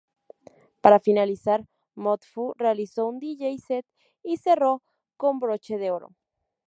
Para finalizar, Mood Fu realizó un Dj Set y cerró con broche de oro.